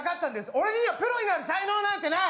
俺にはプロになる才能なんてない！